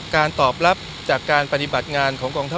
การตอบรับจากการปฏิบัติงานของกองทั